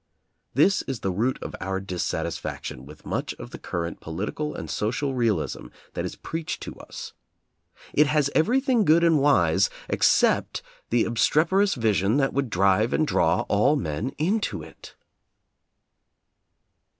This is the root of our dissatisfaction with much of the current po litical and social realism that is preached to us. It has everything good and wise except the obstrep erous vision that would drive and draw all men into it.